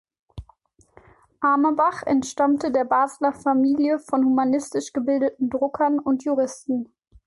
Amerbach entstammte der Basler Familie von humanistisch gebildeten Druckern und Juristen.